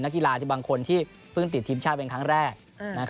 กีฬาบางคนที่เพิ่งติดทีมชาติเป็นครั้งแรก